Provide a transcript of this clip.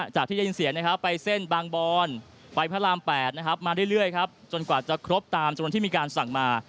จากที่จะยินเสียไปเส้นบางบอนไปพระราม๘มาเรื่อยจนกว่าจะครบตามจุดที่มีการสั่งมา